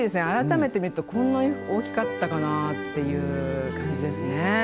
改めて見るとこんなに大きかったかなっていう感じですね。